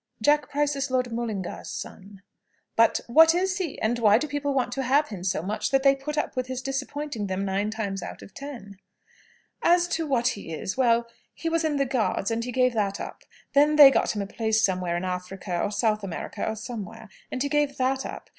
"Jack Price is Lord Mullingar's son." "But what is he? And why do people want to have him so much, that they put up with his disappointing them nine times out of ten?" "As to what he is well, he was in the Guards, and he gave that up. Then they got him a place somewhere in Africa, or South America, or somewhere and he gave that up.